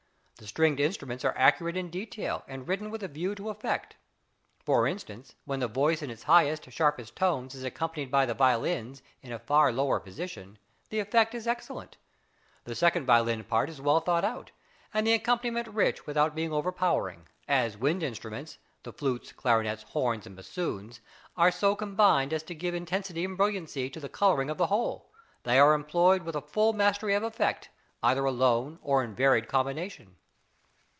The stringed instruments are accurate in detail, and written with a view to effect; for instance, when the voice in its highest, sharpest tones, is accompanied by the violins in a far lower position, the effect is excellent. The second violin part is well thought out, and the accompaniment rich without being overpowering. As wind instruments, the flutes, clarinets, horns and bassoons, are' so combined as to give intensity and brilliancy to the colouring of the whole; they are employed with a full mastery of effect, either alone or in varied combination.